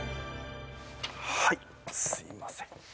はいすいません